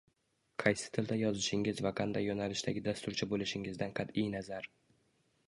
Qaysi tilda yozishingiz va qanday yo’nalishdagi dasturchi bo’lishingizdan qat’iy nazar